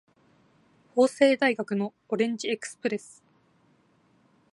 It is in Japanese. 法政大学のオレンジエクスプレス